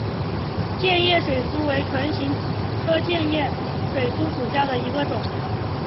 箭叶水苏为唇形科箭叶水苏属下的一个种。